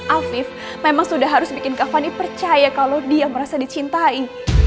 afif memang sudah harus bikin kavani percaya kalau dia merasa dicintai